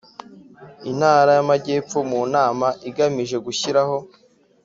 Intara y Amajyepfo mu nama igamije gushyiraho